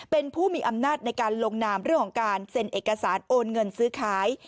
เป็นผู้มีอำนาจในการลงนามเรื่องของการเซ็นเอกสารโอนเงินซื้อขาย